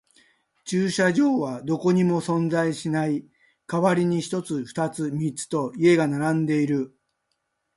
駐車場はどこにも存在していない。代わりに一つ、二つ、三つと家が並んでいる。